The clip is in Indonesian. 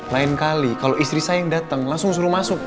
lain kali kalau istri saya yang datang langsung suruh masuk